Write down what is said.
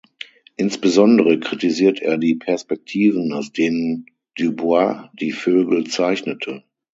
Insbesondere kritisiert er die Perspektiven, aus denen Dubois die Vögel zeichnete.